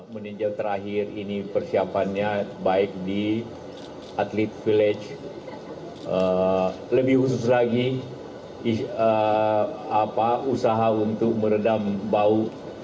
meninjau terakhir ini persiapannya baik di atlet village lebih khusus lagi usaha untuk meredam bau